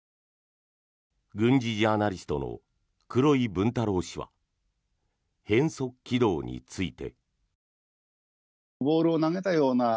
軍事ジャーナリストの黒井文太郎氏は変則軌道について。